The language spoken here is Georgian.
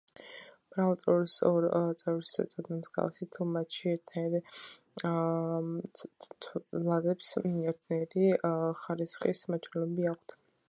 მრავალწევრის ორ წევრს ეწოდება მსგავსი, თუ მათში ერთნაირ ცვლადებს ერთნაირი ხარისხის მაჩვენებლები აქვთ.